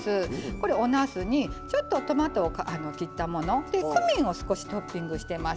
これおなすにちょっとトマトを切ったもの。でクミンを少しトッピングしてます。